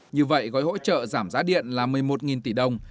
như vậy gói hỗ trợ giảm giá điện là một mươi một tỷ đồng